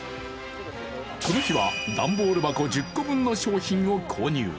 この日は段ボール箱１０箱分の商品を購入。